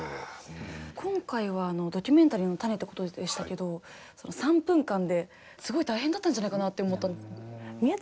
今回はドキュメンタリーの種ってことでしたけど３分間ですごい大変だったんじゃないかなって思ったんですけど。